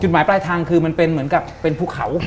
หมายปลายทางคือมันเป็นเหมือนกับเป็นภูเขา